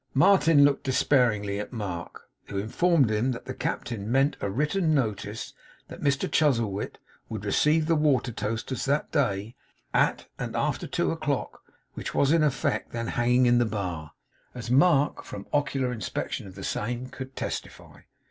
Martin looked despairingly at Mark, who informed him that the Captain meant a written notice that Mr Chuzzlewit would receive the Watertoasters that day, at and after two o'clock which was in effect then hanging in the bar, as Mark, from ocular inspection of the same, could testify.